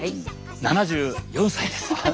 ７４歳です。